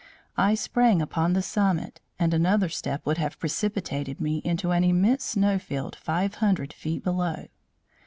I sprang upon the summit and another step would have precipitated me into an immense snow field five hundred feet below.